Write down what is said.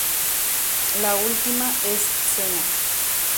La última es cena.